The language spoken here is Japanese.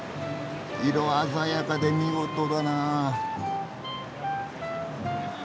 色鮮やかで見事だなぁ。